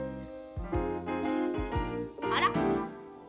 あら。